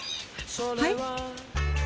はい？